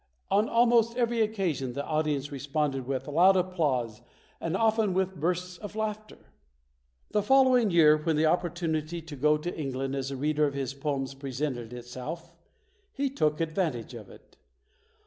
On almost every occasion, the audience responded with loud applause and often with bursts of laughter. The following year, when the opportunity to go to England as a reader of his poems presented it self, he took advantage of it.